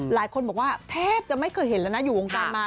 หลายคนบอกว่าแทบจะไม่เคยเห็นแล้วนะอยู่วงการมา